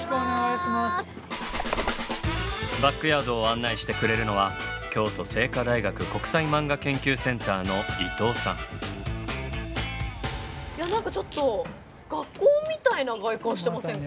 バックヤードを案内してくれるのはいや何かちょっと学校みたいな外観してませんか？